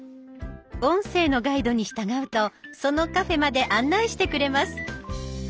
音声のガイドに従うとそのカフェまで案内してくれます。